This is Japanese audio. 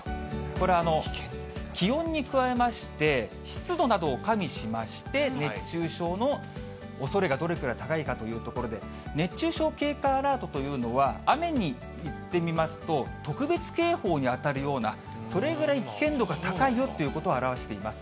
これ、気温に加えまして、湿度などを加味しまして、熱中症のおそれがどれくらい高いかということで、熱中症警戒アラートというのは、雨にいってみますと、特別警報に当たるような、それぐらい危険度が高いよということを表しています。